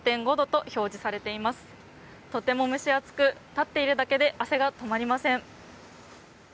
とても蒸し暑く立っているだけで汗が止まりません。